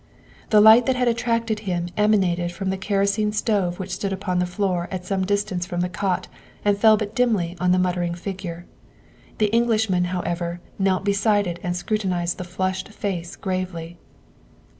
The light that had attracted him emanated from the kerosene stove which stood upon the floor at some dis tance from the cot and fell but dimly upon the mutter ing figure. The Englishman, however, knelt beside it and scrutinized the flushed face gravely.